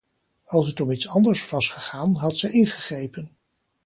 Als het om iets anders was gegaan, had zij ingegrepen.